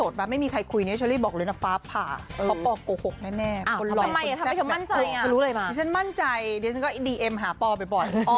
นี่ฉันมั่นใจดิฉันก็อินดีเอ็มหาปอบ่อย